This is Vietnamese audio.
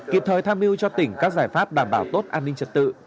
kịp thời tham mưu cho tỉnh các giải pháp đảm bảo tốt an ninh trật tự